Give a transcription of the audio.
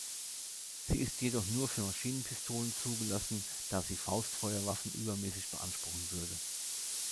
Sie ist jedoch nur für Maschinenpistolen zugelassen, da sie Faustfeuerwaffen übermäßig beanspruchen würde.